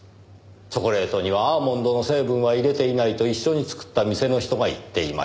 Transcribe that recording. チョコレートにはアーモンドの成分は入れていないと一緒に作った店の人が言っていました。